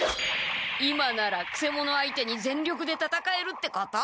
今ならくせ者相手に全力でたたかえるってこと。